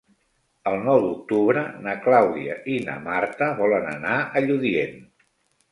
El nou d'octubre na Clàudia i na Marta volen anar a Lludient.